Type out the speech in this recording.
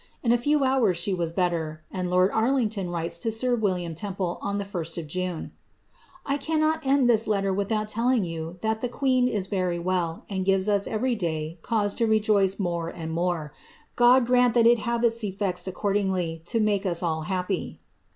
In a few hours she was better, and lord Arlington writes to sir William Temple, on the 1st of June, ^ I cannot end thi* h'ttor without telling you that the queen is very well, and gives us ererr (lay cause to rejoice more and morf\ God grant that it have its eftct accordingly, to make us all happy.'''